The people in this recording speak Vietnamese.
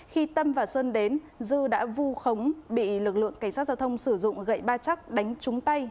khi tâm và sơn đến dư đã vu khống bị lực lượng cảnh sát giao thông sử dụng gậy ba chắc đánh trúng tay